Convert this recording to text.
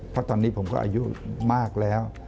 เพราะตอนนี้ผมก็อายุมากแล้ว